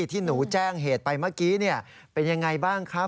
ที่หนูแจ้งเหตุไปเมื่อกี้เป็นยังไงบ้างครับ